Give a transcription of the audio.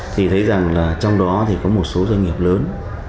thì thấy rằng là trong đó thì có một số doanh nghiệp lớn